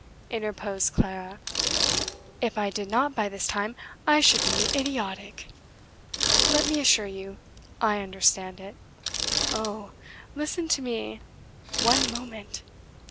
interposed Clara; "if I did not by this time I should be idiotic. Let me assure you, I understand it. Oh! listen to me: one moment.